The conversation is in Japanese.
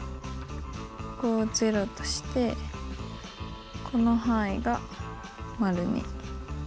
ここを０としてこの範囲が②。